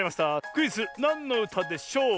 クイズ「なんのうたでしょう」！